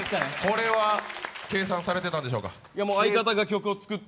これは計算されてたんでしょうか？